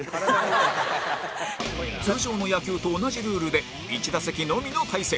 通常の野球と同じルールで１打席のみの対戦